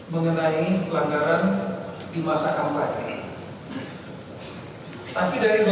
mengenai pelanggaran di masa kampanye